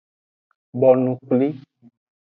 Bonu kpli.